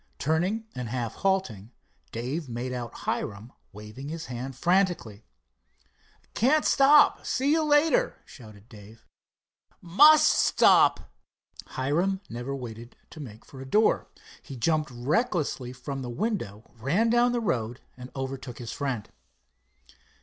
Turning and half halting, Dave made out Hiram waving his hand frantically. "Can't stop—see you later," shouted Dave. "Must stop." Hiram never waited to make for a door. He jumped recklessly from the window, ran down the road, and overtook his friend.